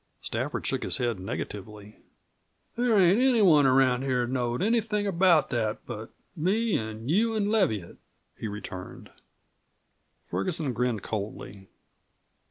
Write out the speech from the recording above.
Stafford shook his head negatively. "There ain't anyone around here knowed anything about that but me an' you an' Leviatt," he returned. Ferguson grinned coldly.